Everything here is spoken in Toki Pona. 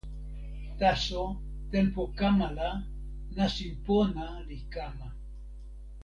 taso tenpo kama la, nasin pona li kama.